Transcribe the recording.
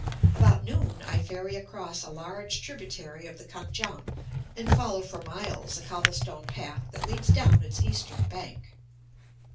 About noon I ferry across a large tributary of the Kan kiang, and follow for miles a cobble stone path that leads down its eastern bank.